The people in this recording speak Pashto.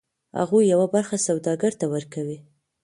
هغوی یوه برخه سوداګر ته ورکوي